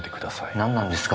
何なんですか？